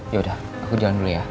yaudah aku jalan dulu ya